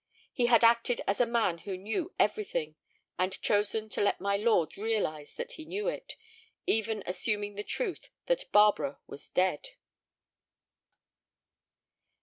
He had acted as a man who knew everything, and chosen to let my lord realize that he knew it, even assuming the truth that Barbara was dead.